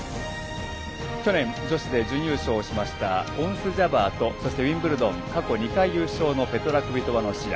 去年、女子で準優勝しましたオンス・ジャバーとそしてウィンブルドン過去２回優勝のペトラ・クビトバの試合。